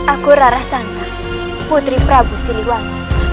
aku rara santa putri prabu siliwangi